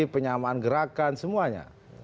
penyamaan gerakan semuanya